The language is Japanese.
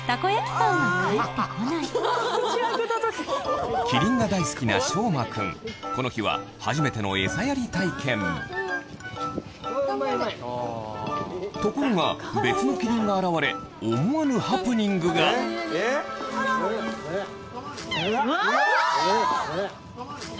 パンは返ってこないキリンが大好きなこの日は初めてのエサやり体験ところが別のキリンが現れ思わぬハプニングがあぁ！